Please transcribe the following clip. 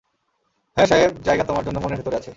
হ্যাঁ সাহেব, জায়গা তোমার জন্য মনের ভেতরে আছে।